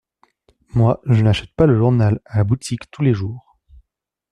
Moi, je n’achète pas le journal à la boutique tous les jours.